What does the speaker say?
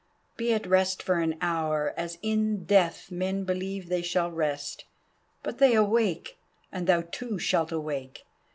be at rest for an hour; as in death men believe they shall rest, But they wake! And thou too shalt awake!